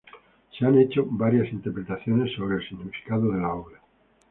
Se han hecho varias interpretaciones acerca del significado de la obra.